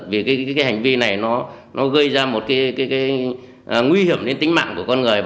vì cái hành vi này nó gây ra một cái nguy hiểm đến tính mạng của con người